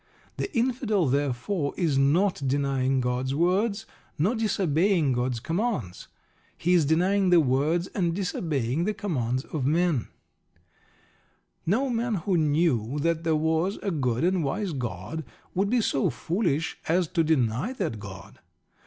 The Infidel, therefore, is not denying God's words, nor disobeying God's commands: he is denying the words and disobeying the commands of men. No man who knew that there was a good and wise God would be so foolish as to deny that God.